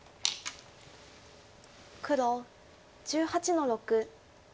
黒１８の六。